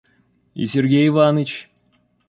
И Сергей Иваныч!